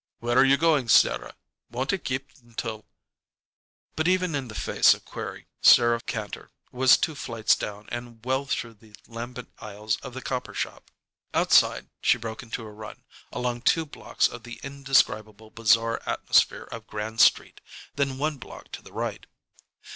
"Where you going, Sarah? Won't it keep until " But even in the face of query, Sarah Kantor was two flights down and well through the lambent aisles of the copper shop. Outside, she broke into run, along two blocks of the indescribable bazaar atmosphere of Grand Street, then one block to the right.